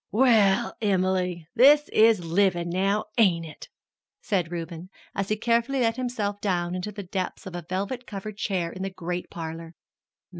"Well, Em'ly, this is livin', now, ain't it?" said Reuben, as he carefully let himself down into the depths of a velvet covered chair in the great parlor.